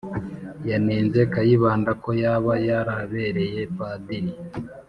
yanenze kayibanda ko yaba yarabereye padiri